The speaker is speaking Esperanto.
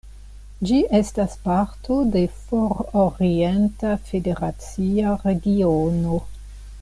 Ĝi estas parto de For-orienta federacia regiono.